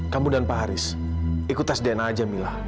kamu dan pak haris ikut tes dna aja mila